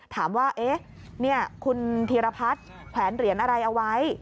ถามว่าคุณธีรพัฒน์แขวนเหรียญอะไรเอาไว้